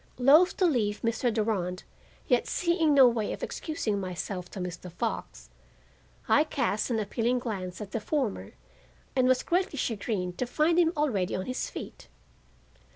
Loath to leave Mr. Durand, yet seeing no way of excusing myself to Mr. Fox, I cast an appealing glance at the former and was greatly chagrined to find him already on his feet.